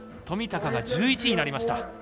冨高が１１位になりました。